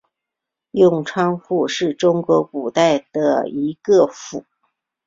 永昌府是中国古代的一个府。